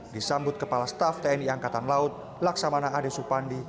disambut kepala staff tni angkatan laut laksamana ade supandi